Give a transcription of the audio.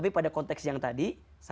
pada konteks yang tadi